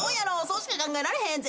そうしか考えられへん。